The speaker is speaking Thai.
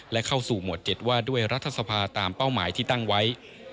และเข้าสู่หมวด๗ว่าด้วยรัฐสภาตามเป้าหมายที่ตั้งไว้